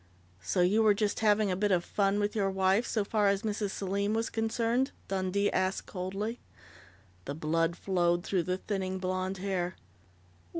"So you were just having a bit of fun with your wife, so far as Mrs. Selim was concerned?" Dundee asked coldly. The blood flowed through the thinning blond hair.